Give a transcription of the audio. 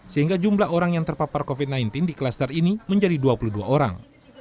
sehingga jumlah orang yang terpapar covid sembilan belas di klaster ini menjadi dua puluh dua orang